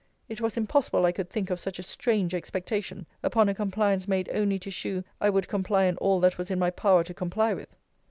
It was impossible I could think of such a strange expectation, upon a compliance made only to shew I would comply in all that was in my power to comply with.